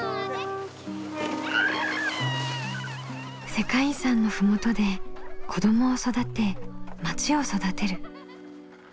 世界遺産の麓で子どもを育てまちを育てる。